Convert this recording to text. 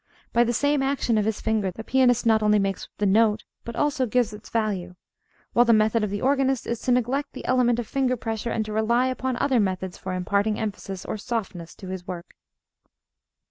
By the same action of his finger the pianist not only makes the note, but also gives its value; while the method of the organist is to neglect the element of finger pressure and to rely upon other methods for imparting emphasis or softness to his work.